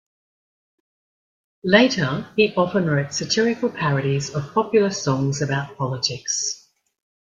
Later, he often wrote satirical parodies of popular songs about politics.